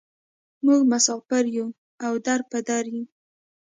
موږ مسافر یوو او در په در یوو.